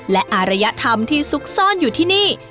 และอารยธรรมที่ซุกซ่อนอยู่ที่นี่